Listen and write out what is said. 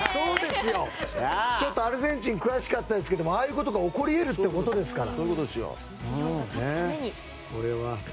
ちょっとアルゼンチン悔しかったですけどああいうことが起こり得るってことですから。